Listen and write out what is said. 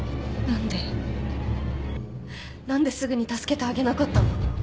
何ですぐに助けてあげなかったの？